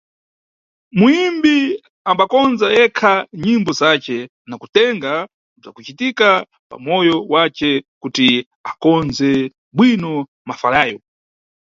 Muyimbi ambakondza yekha nyimbo zace na kutenga bzwakucitika pamoyo wace kuti akondze bwino mafalayo.